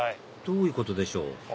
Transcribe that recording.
どういうことでしょう？